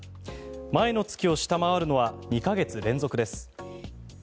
前の月を下回るのは２か月連続です。